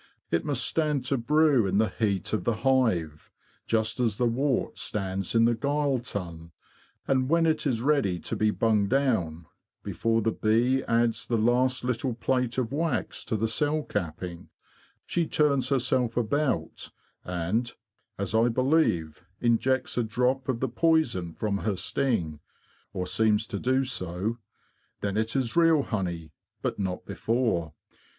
It must stand to brew in the heat of the hive, just as the wort stands in the gyle tun; and when it is ready to be bunged down, before the bee adds the last little plate of wax to the cell capping, she turns herself about and, as I believe, injects a drop of the poison from her sting—or seems to do so. Then it is real honey, but not before.